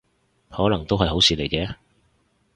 可能都係好事嚟嘅